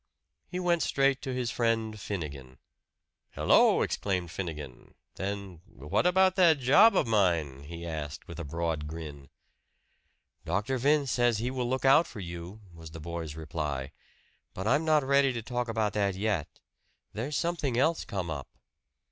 He went straight to his friend Finnegan. "Hello!" exclaimed Finnegan. Then, "What about that job of mine?" he asked with a broad grin. "Dr. Vince says he will look out for you," was the boy's reply. "But I'm not ready to talk about that yet. There's something else come up."